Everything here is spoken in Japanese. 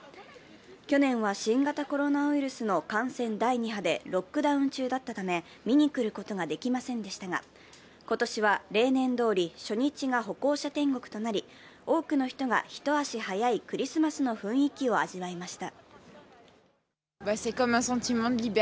去年は新型コロナウイルスの感染第２波でロックダウン中だったため見に来ることができませんでしたが今年は例年どおり初日が歩行者天国となり多くの人が一足早いクリスマスの雰囲気を味わいました。